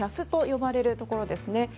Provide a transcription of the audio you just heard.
ＣＡＳと呼ばれるところです。